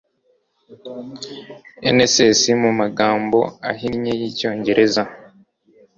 NSS mu magambo ahinnye y'icyongereza.